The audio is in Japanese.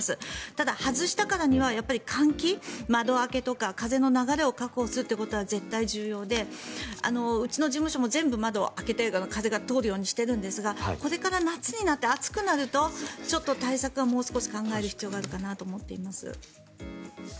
ただ、外したからには換気、窓開けとか風の流れを確保することは絶対重要でうちの事務所も全部窓を開けて風が通るようにしているんですがこれから夏になって暑くなるとちょっと対策をもう少し考える必要があると思っています。